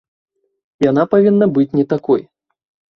Яна павінна быць не такой.